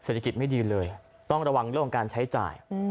เศรษฐกิจไม่ดีเลยต้องระวังเรื่องของการใช้จ่าย